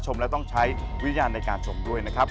ชมแล้วต้องใช้วิญญาณในการชมด้วยนะครับ